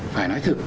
phải nói thật